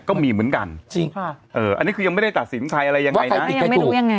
ก็มีเหมือนกันจริงค่ะอันนี้คือยังไม่ได้ตัดสินใครอะไรยังไงนะผิดใครถูกยังไง